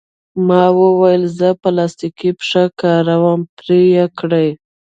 ما وویل: زه پلاستیکي پښه کاروم، پرې یې کړئ.